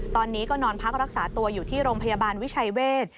ตอนนี้ก็นอนพักรักษาตัวอยู่ที่โรงพยาบาลวิชัยเวท